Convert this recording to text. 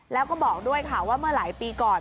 แล้วก็บอกด้วยค่ะว่าเมื่อหลายปีก่อน